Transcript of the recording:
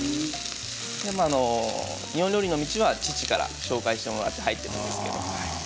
日本料理の道は父から紹介してもらって入ってるんですけど。